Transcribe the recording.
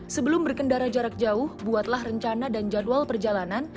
sebelum berkendara jarak jauh buatlah rencana dan jadwal perjalanan